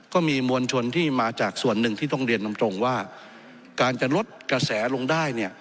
ก็มีมวลชนที่มาจากส่วนหนึ่งที่ต้องเรียนตรงว่าการจะลดกระแสลงได้เนี่ย